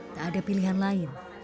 tak ada pilihan lain